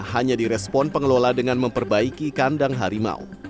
hanya direspon pengelola dengan memperbaiki kandang harimau